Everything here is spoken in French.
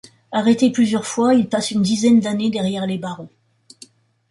Arrêté plusieurs fois, il passe une dizaine d'années derrière les barreaux.